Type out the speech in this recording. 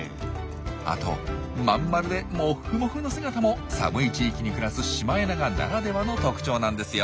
あとまん丸でモフモフの姿も寒い地域に暮らすシマエナガならではの特徴なんですよ。